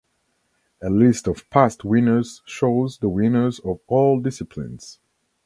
A list of past winners shows the winners of all disciplines.